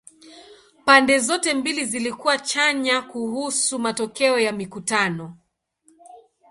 Pande zote mbili zilikuwa chanya kuhusu matokeo ya mikutano.